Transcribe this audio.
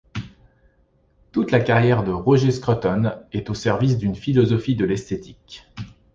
Toute la carrière de Roger Scruton est au service d’une philosophie de l’esthétique.